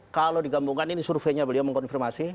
kalau digambungkan ini surveinya beliau mengkonfirmasi